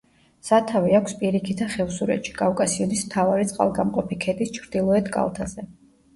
სათავე აქვს პირიქითა ხევსურეთში, კავკასიონის მთავარი წყალგამყოფი ქედის ჩრდილოეთ კალთაზე.